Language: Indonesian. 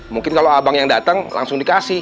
mungkin kalau abang yang datang langsung dikasih